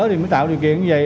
thì mới tạo điều kiện như vậy